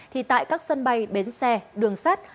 thì tại các sân bay bến xe đường sát